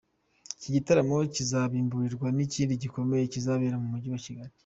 Iki gitaramo kizabimburirwa n’ikindi gikomeye kizabera mu Mujyi wa Kigali.